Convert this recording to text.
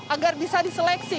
agar bisa diseleksi